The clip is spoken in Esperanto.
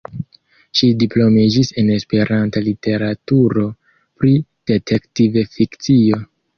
Ŝi diplomiĝis en esperanta literaturo pri detektiv-fikcio.